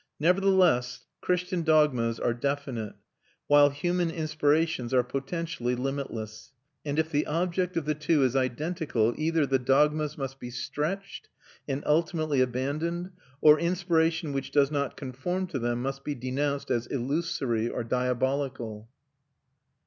Nevertheless, Christian dogmas are definite, while human inspirations are potentially limitless; and if the object of the two is identical either the dogmas must be stretched and ultimately abandoned, or inspiration which does not conform to them must be denounced as illusory or diabolical.